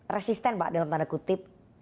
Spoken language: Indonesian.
resisten pak dalam tanda kutip